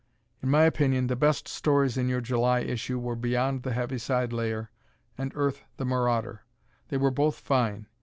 In my opinion, the best stories in your July issue were "Beyond the Heaviside Layer" and "Earth, the Marauder." They were both fine.